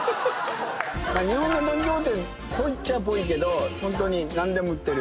日本のドン・キホーテっぽいっちゃぽいけどホントに何でも売ってる。